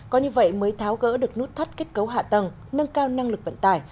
có như vậy mới tháo gỡ được nút thắt kết cấu hạ tầng nâng cao năng lực vận tải